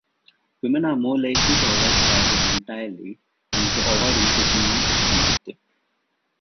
Women are more likely to avoid charges entirely, and to avoid imprisonment if convicted.